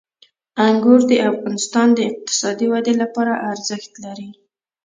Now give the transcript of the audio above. انګور د افغانستان د اقتصادي ودې لپاره ارزښت لري.